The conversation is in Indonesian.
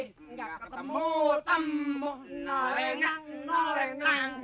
tidak ketemu ketemu nolengang nolengang